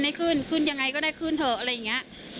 ได้ขึ้นขึ้นยังไงก็ได้ขึ้นเถอะอะไรอย่างนี้